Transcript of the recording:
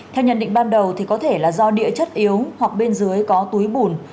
theo nhận định ban đầu có thể là do địa chất yếu hoặc bên dưới có túi bùn